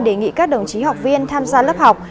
đề nghị các đồng chí học viên tham gia lớp học